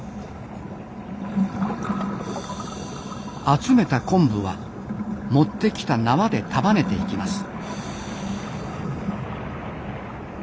集めた昆布は持ってきた縄で束ねていきます。